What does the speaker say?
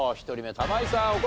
１人目玉井さん